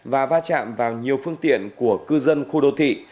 và va chạm vào nhiều phương tiện của cư dân khu đô thị